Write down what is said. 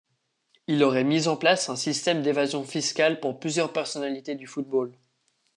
Il aurait mis en place un système d'évasion fiscale pour plusieurs personnalités du football.